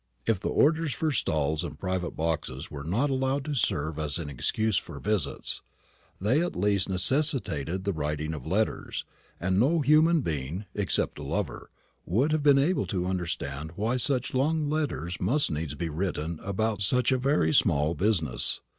If the orders for stalls and private boxes were not allowed to serve as an excuse for visits, they at least necessitated the writing of letters; and no human being, except a lover, would have been able to understand why such long letters must needs be written about such a very small business.